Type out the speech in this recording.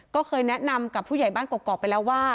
ก็เคยแนะนำกับผู้ใหญ่บ้านกรอกไปแล้วว่า